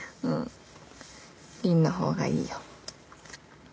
りんの方がいいよ。